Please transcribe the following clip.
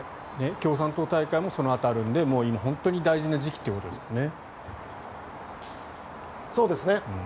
共産党大会も当たるので本当に大事な時期ということですね。